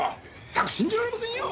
ったく信じられませんよ！